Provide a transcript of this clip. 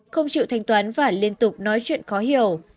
không chịu thanh toán và liên tục nói chuyện khó hiểu